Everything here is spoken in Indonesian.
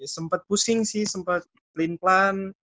sempet pusing sih sempet pelin pelan